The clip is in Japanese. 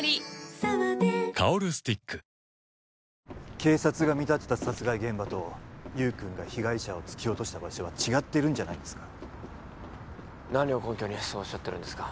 警察が見立てた殺害現場と優君が被害者を突き落とした場所は違ってるんじゃないですか何を根拠にそうおっしゃってるんですか